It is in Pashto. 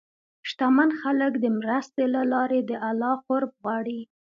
شتمن خلک د مرستې له لارې د الله قرب غواړي.